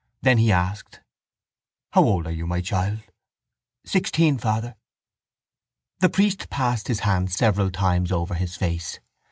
Then he asked: —How old are you, my child? —Sixteen, father. The priest passed his hand several times over his face.